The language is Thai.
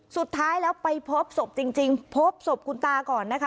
สุดท้ายแล้วไปพบศพจริงพบศพคุณตาก่อนนะคะ